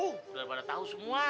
udah pada tahu semua